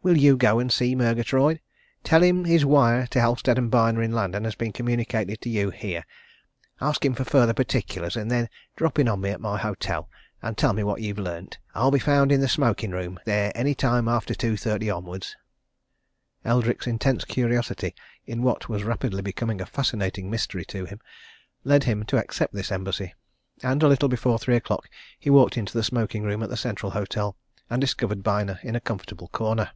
Will you go and see Murgatroyd? Tell him his wire to Halstead & Byner in London has been communicated to you here. Ask him for further particulars and then drop in on me at my hotel and tell me what you've learnt. I'll be found in the smoking room there any time after two thirty onward." Eldrick's intense curiosity in what was rapidly becoming a fascinating mystery to him, led him to accept this embassy. And a little before three o'clock he walked into the smoking room at the Central Hotel and discovered Byner in a comfortable corner.